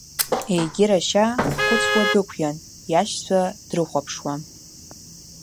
Егьи рашьа дхәыцуа дықәиан, иашьцәа дрыхәаԥшуа.